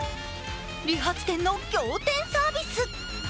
理髪店の仰天サービス。